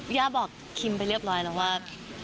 ห์ยาบอกพี่นะไปเรียบร้อยแล้วว่า